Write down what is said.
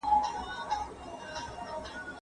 رښتيا ويل د خبريال دنده ده.